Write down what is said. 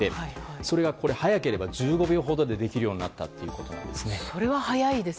それが早ければ１５秒ほどでできるようになったということです。